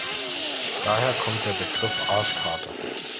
Daher kommt der Begriff Arschkarte.